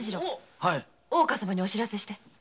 大岡様にお報せして。